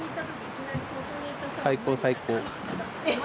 最高最高。